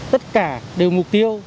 tất cả đều mục tiêu